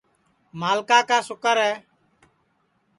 ملکا کا سُکر ہے